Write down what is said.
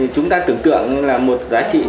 chúng ta tưởng tượng là một giá trị